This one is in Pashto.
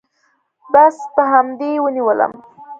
بس په همدې يې ونيولم.